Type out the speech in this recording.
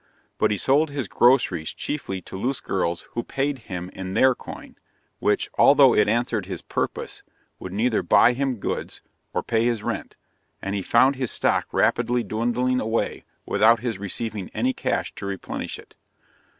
But he sold his groceries chiefly to loose girls who paid him in their coin, which, although it answered his purpose, would neither buy him goods or pay his rent, and he found his stock rapidly dwindling away without his receiving any cash to replenish it.